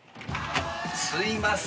すいません。